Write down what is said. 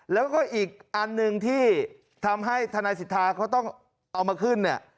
แล้วก็อีกอันหนึ่งที่ทำให้ทนายสิทธาเขาต้องเอามาขึ้นเนี่ย